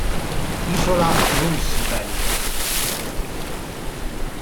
Isola Roosevelt